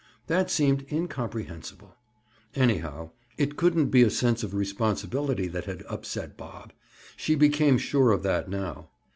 That seemed incomprehensible. Anyhow, it couldn't be a sense of responsibility that had "upset" Bob. She became sure of that now.